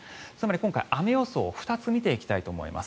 今回は雨予想を２つ見ていきたいと思います。